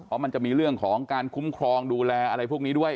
เพราะมันจะมีเรื่องของการคุ้มครองดูแลอะไรพวกนี้ด้วย